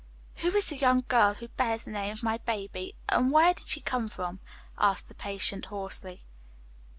"Who is that young girl who bears the name of my baby, and where did she come from?" asked the patient hoarsely.